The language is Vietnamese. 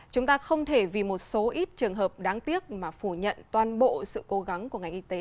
chúng ta không thể vì một số ít trường hợp đáng tiếc mà phủ nhận toàn bộ sự cố gắng của ngành y tế